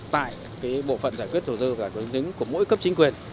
tại bộ phận giải quyết thổ dơ và tổ chức của mỗi cấp chính quyền